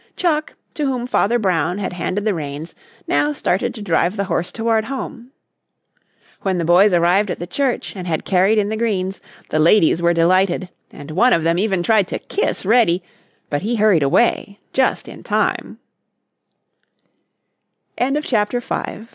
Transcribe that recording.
Chuck, to whom Father Brown had handed the reins now started to drive the horse toward home. When the boys arrived at the church and had carried in the greens, the ladies were delighted, and one of them even tried to kiss Reddy, but he hurried away